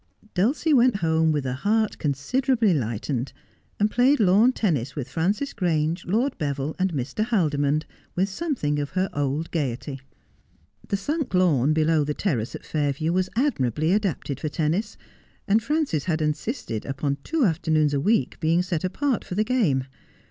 Dulcie went home with her heart considerably lightened, and played lawn tennis with Frances Grange, Lord Beville and Mr. Haldimond, with something of her old gaiety. The sunk lawn below the terrace at Fairview was admirably adapted for tennis, and Frances had insisted upon two afternoons a week being set 262 Just as I Am. apart for the game.